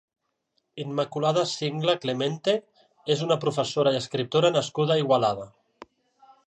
Immaculada Singla Clemente és una professora i escriptora nascuda a Igualada.